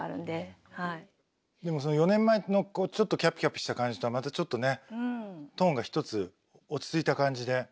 でも４年前のちょっとキャピキャピした感じとはまたちょっとねトーンが一つ落ち着いた感じで。